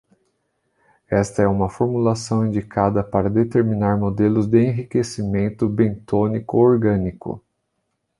Esta é uma formulação indicada para determinar modelos de enriquecimento bentônico orgânico.